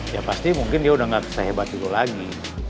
ya pasti mungkin dia udah gak sehebat itu lagi